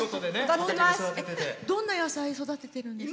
どんな野菜育ててるんですか？